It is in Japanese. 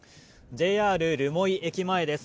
ＪＲ留萌駅前です。